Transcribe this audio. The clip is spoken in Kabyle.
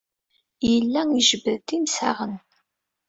Yella ijebbed-d imsaɣen.